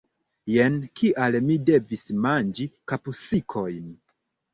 Jen kial mi devis manĝi kapsikojn.